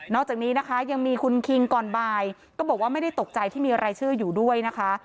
จากนี้นะคะยังมีคุณคิงก่อนบ่ายก็บอกว่าไม่ได้ตกใจที่มีรายชื่ออยู่ด้วยนะคะ